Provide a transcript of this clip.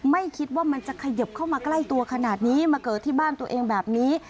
ไม่คิดว่ามันจะขยิบเข้ามาใกล้ตัวขนาดนี้มาเกิดที่บ้านตัวเองแบบนี้